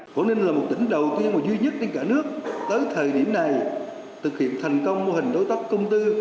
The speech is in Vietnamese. quảng ninh là một tỉnh đầu tiên và duy nhất trên cả nước tới thời điểm này thực hiện thành công mô hình đối tác công tư